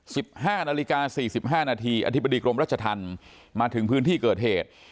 สิบห้านาฬิกาสี่สิบห้านาทีอธิบดีกรมรัชธรรมมาถึงพื้นที่เกิดเหตุ